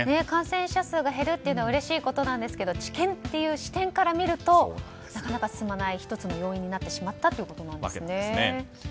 感染者数が減るというのはうれしいことなんですが治験という視点からみるとなかなか進まない要因になってしまったわけなんですね。